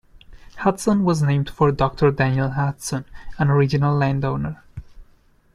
Hudson was named for Doctor Daniel Hudson, an original landowner.